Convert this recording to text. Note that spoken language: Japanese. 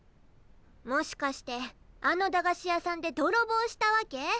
もしかしてあの駄菓子屋さんでどろぼうしたわけ？